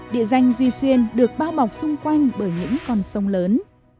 địa danh duy xuyên được bao bọc xung quanh bởi những con sông lớn